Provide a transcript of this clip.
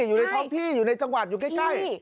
อยู่ในท้องที่อยู่ในจังหวัดอยู่ใกล้